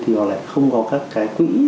thì họ lại không có các cái quỹ